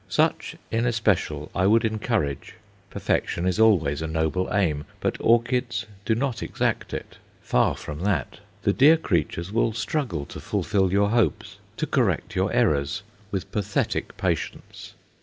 Such in especial I would encourage. Perfection is always a noble aim; but orchids do not exact it far from that! The dear creatures will struggle to fulfil your hopes, to correct your errors, with pathetic patience.